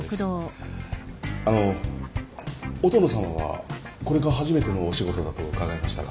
あの音野さんはこれが初めてのお仕事だと伺いましたが。